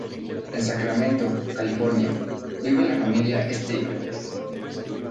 En Sacramento, California, vive la familia Stevens.